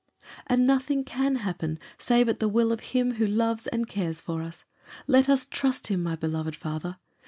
"And nothing can happen save at the will of Him who loves and cares for us. Let us trust him, my beloved father.